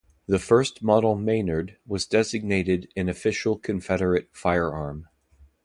The First Model Maynard was designated an official Confederate firearm.